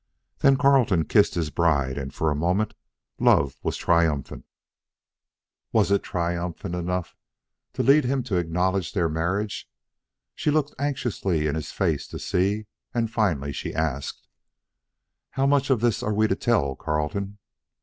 Then Carleton kissed his bride and for a moment love was triumphant. Was it triumphant enough to lead him to acknowledge their marriage? She looked anxiously in his face to see and finally she asked: "How much of this are we to tell, Carleton?"